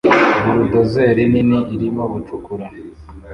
Buldozer nini irimo gucukura